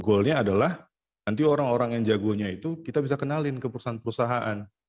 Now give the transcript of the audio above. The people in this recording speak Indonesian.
goalnya adalah nanti orang orang yang jagonya itu kita bisa kenalin ke perusahaan perusahaan